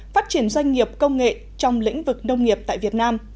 phát triển doanh nghiệp công nghệ trong lĩnh vực nông nghiệp tại việt nam